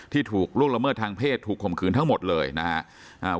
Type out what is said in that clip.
ถูกล่วงละเมิดทางเพศถูกข่มขืนทั้งหมดเลยนะครับ